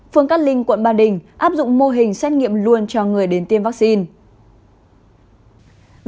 phường cát linh quận ba đình áp dụng mô hình xét nghiệm luôn cho người đến tiêm vaccine